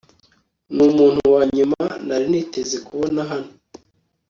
numuntu wanyuma nari niteze kubona hano